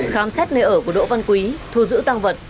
khám xét nơi ở của đỗ văn quý thu giữ tăng vật